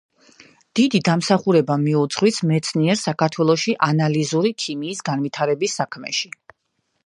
დიდი დამსახურება მიუძღვის მეცნიერს საქართველოში ანალიზური ქიმიის განვითარების საქმეში.